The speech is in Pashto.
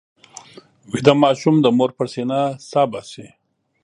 ویده ماشوم د مور پر سینه سا باسي